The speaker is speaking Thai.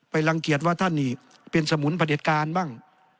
รังเกียจว่าท่านนี่เป็นสมุนประเด็จการบ้าง